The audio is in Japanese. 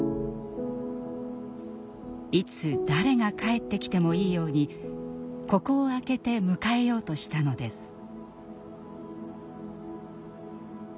いつ誰が帰ってきてもいいようにここを開けて迎えようとしたのです。